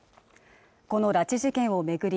この拉致事件を巡り